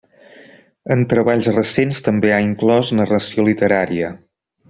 En treballs recents també ha inclòs narració literària.